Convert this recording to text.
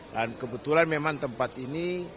dan kebetulan memang tempat ini